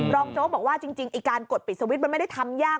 โจ๊กบอกว่าจริงไอ้การกดปิดสวิตช์มันไม่ได้ทำยาก